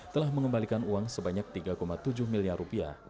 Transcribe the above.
telah mengembalikan uang sebanyak rp tiga tujuh miliar